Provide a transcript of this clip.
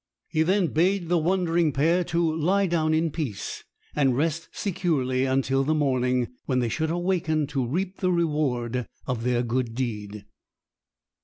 He then bade the wondering pair to lie down in peace, and rest securely until the morning, when they should awaken to reap the reward of their good deed.